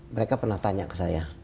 mereka pernah tanya ke saya